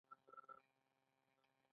په کان، مېز او جامو کې د انسان کار شته